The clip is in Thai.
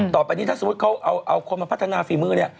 ต่อไปนี้ถ้าสมมุติเขาเอาคนมาพัฒนาฝีมือเนี่ย